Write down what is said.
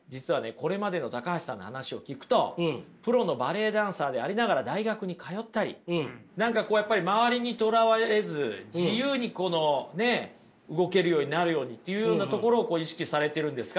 これまでの橋さんの話を聞くとプロのバレエダンサーでありながら大学に通ったり何かこうやっぱり周りにとらわれず自由にこのね動けるようになるようにというようなところを意識されてるんですか？